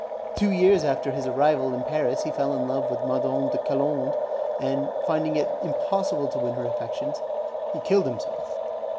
Two years after his arrival in Paris he fell in love with Madame de Colande, and, finding it impossible to win her affections, he killed himself.